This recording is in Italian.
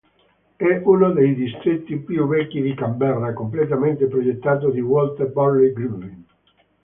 È uno dei distretti più vecchi di Canberra, completamente progettato di Walter Burley Griffin.